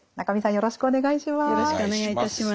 よろしくお願いします。